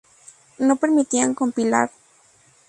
No permitían compilar.